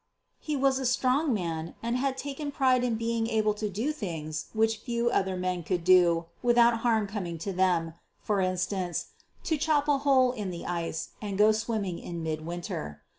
He was a strong man and had taken pride in being able to do things which few other men could do without harm coming to them; for instance, to chop a hole in the ice and go swimming in midwinter.